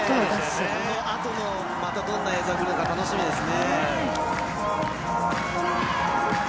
このあともどんな映像くるのか楽しみですね。